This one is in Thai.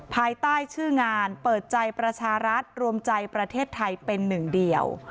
ภายใต้ชื่องานเปิดใจประชารัฐรวมใจประเทศไทยเป็นหนึ่งเดียว